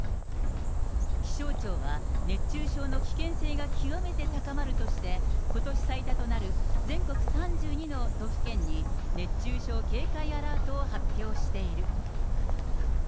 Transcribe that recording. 気象庁は、熱中症の危険性が極めて高まるとして、ことし最多となる全国３２の都府県に、熱中症警戒アラートを発表している。